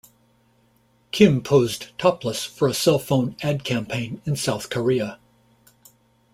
Kim posed topless for a cell phone ad campaign in South Korea.